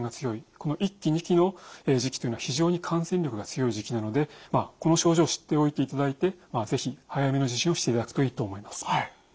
この１期２期の時期というのは非常に感染力が強い時期なのでこの症状を知っておいていただいて是非早めの受診をしていただくといいと思います。